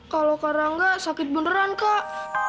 kalau karangga sakit beneran kak